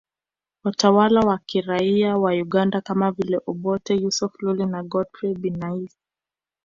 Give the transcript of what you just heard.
Watawala wa kiraia wa Uganda kama vile Obote Yusuf Lule na Godfrey Binaisa